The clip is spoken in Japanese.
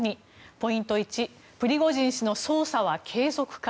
ポイント１プリゴジン氏の捜査は継続か。